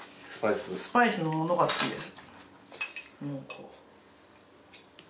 スパイスのものが好きです。